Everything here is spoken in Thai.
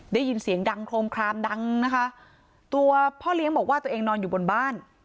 ได้ยินเสียงดังโครมคลามดังนะคะตัวพ่อเลี้ยงบอกว่าตัวเองนอนอยู่บนบ้าน